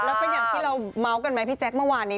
แล้วเป็นอย่างที่เราเมาส์กันไหมพี่แจ๊คเมื่อวานนี้